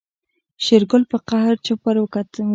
شېرګل په قهر چپ ور وويل.